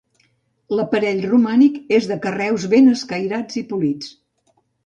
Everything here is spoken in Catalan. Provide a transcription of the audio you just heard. L'aparell romànic és de carreus ben escairats i polits.